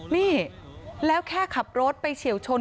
นี่แล้วแค่ขับรถไปเฉียวชน